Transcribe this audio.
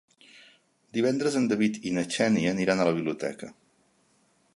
Divendres en David i na Xènia aniran a la biblioteca.